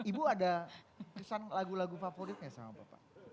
ibu ada pesan lagu lagu favoritnya sama bapak